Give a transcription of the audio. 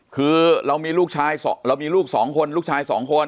คือเรามีลูกชายสองคนลูกชายสองคน